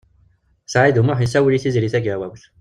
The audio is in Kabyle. Saɛid U Muḥ yessiwel i Tiziri Tagawawt.